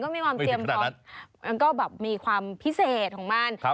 มันก็มีความพิเศษของมัน